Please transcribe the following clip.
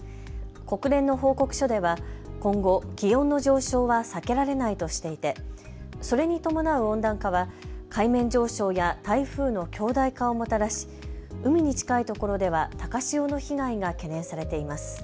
国連の報告書では今後、気温の上昇は避けられないとしていてそれに伴う温暖化は海面上昇や台風の強大化をもたらし海に近いところでは高潮の被害が懸念されています。